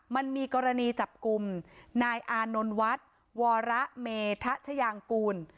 มันมีกรณีจับกลุ่มนายอานนท์วัดวรเมธยางกูล